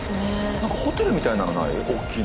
何かホテルみたいなのない？